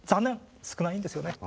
少ないんですよね。